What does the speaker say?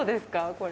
これ。